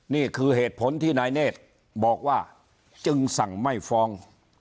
นี่คือเหตุผลที่นายเนธบอกว่าจึงสั่งไม่ฟ้อง